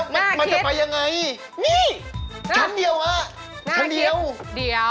หน้าคิด